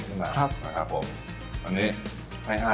อันไหนเป็นตัวแรกสิปคะ